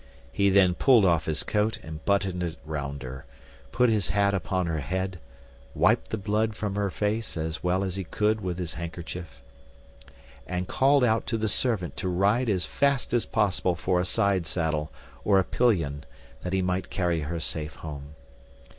He then pulled off his coat, and buttoned it round her, put his hat upon her head, wiped the blood from her face as well as he could with his handkerchief, and called out to the servant to ride as fast as possible for a side saddle, or a pillion, that he might carry her safe home.